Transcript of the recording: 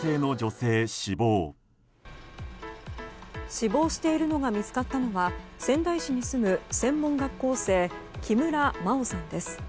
死亡しているのが見つかったのは仙台市に住む専門学校生木村真緒さんです。